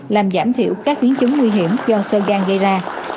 làm giảm thiểu các biến chứng nguy hiểm do sơ gan gây ra